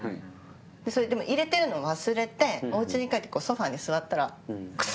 でそれ入れてるの忘れてお家に帰ってソファに座ったら臭っ！